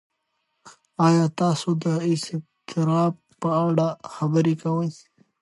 ایا تاسو د اضطراب په اړه خبرې کوئ؟